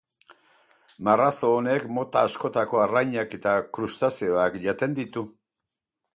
Marrazo honek mota askotako arrainak eta krustazeoak jaten ditu.